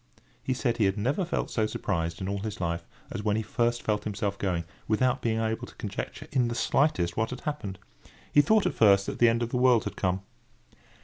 He said he had never felt so surprised in all his life, as when he first felt himself going, without being able to conjecture in the slightest what had happened. He thought at first that the end of the world had come.